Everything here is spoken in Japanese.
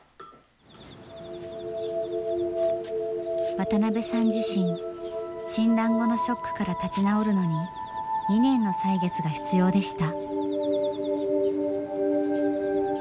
渡邊さん自身診断後のショックから立ち直るのに２年の歳月が必要でした。